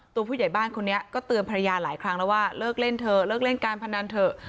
ผู้ใหญ่บ้านคนนี้ก็เตือนภรรยาหลายครั้งแล้วว่าเลิกเล่นเถอะเลิกเล่นการพนันเถอะ